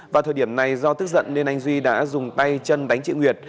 vào thời điểm này do tức giận nên anh duy đã dùng tay chân đánh chị nguyệt